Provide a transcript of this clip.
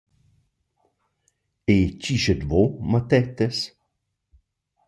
E chi eschat vus, mattettas?»